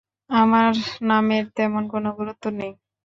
আমার নামের তেমন কোনো গুরুত্ব নেই।